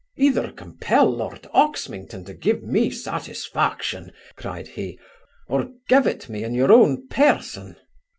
'Either compel lord Oxmington to give me satisfaction (cried he), or give it me in your own person.